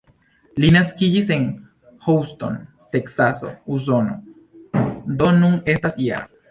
Li naskiĝis en Houston, Teksaso, Usono, do nun estas -jara.